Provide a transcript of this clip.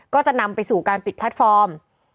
ก็จะนำไปสู่การปิดแพลตฟอร์ม